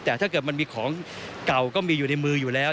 แต่ถ้าเกิดมันมีของเก่าก็มีอยู่ในมืออยู่แล้ว